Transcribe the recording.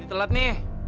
udah telat nih